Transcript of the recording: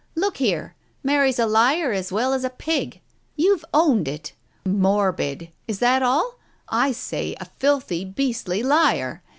"Look here! Mary's a liar as well as a pig. You've owned it. Morbid — is that all ? I say a filthy, beastly liar